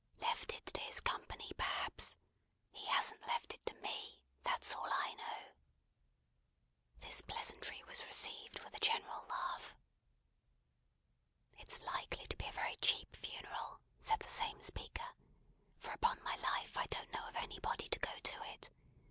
"Left it to his company, perhaps. He hasn't left it to me. That's all I know." This pleasantry was received with a general laugh. "It's likely to be a very cheap funeral," said the same speaker; "for upon my life I don't know of anybody to go to it.